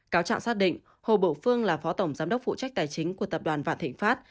cáo trạng xác định hồ bộ phương là phó tổng giám đốc phụ trách tài chính của tập đoàn vạn thịnh pháp